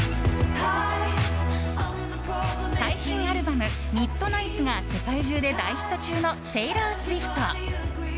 最新アルバム「ミッドナイツ」が世界中で大ヒット中のテイラー・スウィフト。